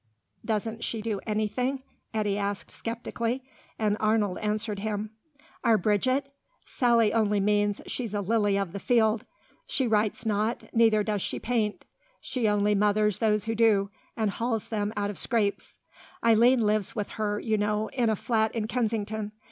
"Doesn't she do anything?" Eddy asked sceptically, and Arnold answered him. "Our Bridget? Sally only means she's a lily of the field. She writes not, neither does she paint. She only mothers those who do, and hauls them out of scrapes. Eileen lives with her, you know, in a flat in Kensington.